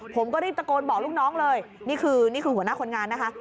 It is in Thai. ผมก็รีบตะโกนบอกลูกน้องเลยนี่คือนี่คือหัวหน้าคนงานนะคะ